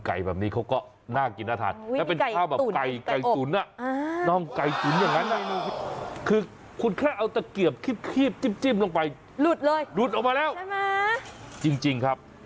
ไปเฉินเตอร์พอยน์แหล่วแกล้งจาบ